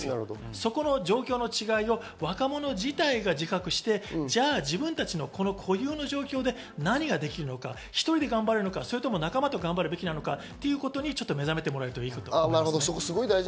その状況の違いを若者自体が自覚して、じゃあ自分たちのこの固有の状況で何ができるのか、１人で頑張れるのか、仲間と頑張るべきなのかということにちょっと目覚めてほしいと思います。